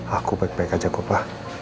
aku baik baik aja kupa